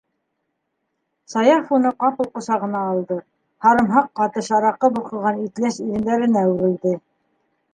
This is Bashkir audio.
- Саяф уны ҡапыл ҡосағына алды, һарымһаҡ ҡатыш араҡы борҡоған итләс ирендәренә үрелде.